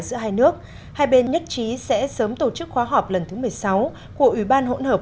giữa hai nước hai bên nhất trí sẽ sớm tổ chức khóa họp lần thứ một mươi sáu của ủy ban hỗn hợp